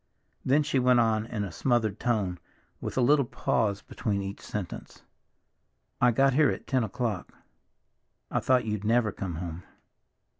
Then she went on in a smothered tone, with a little pause between each sentence, "I got here at ten o'clock. I thought you'd never come home.